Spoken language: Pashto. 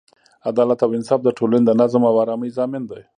عدالت او انصاف د ټولنې د نظم او ارامۍ ضامن دی.